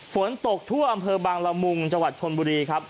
ฝนตกทั่วอำเภอบางละมุงจังหวัดชนบุรีครับ